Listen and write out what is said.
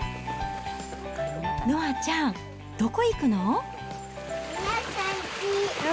のあちゃん、どこ行くの？